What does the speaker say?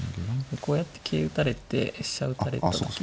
こうやって桂打たれて飛車打たれた時に。